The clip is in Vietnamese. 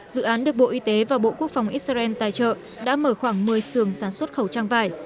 dự án được bộ y tế và bộ quốc phòng israel tài trợ đã mở khoảng một mươi sường sản xuất khẩu trang vải